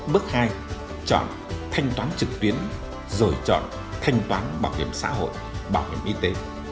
bước hai chọn thanh toán trực tuyến rồi chọn thanh toán bảo hiểm xã hội bảo hiểm y tế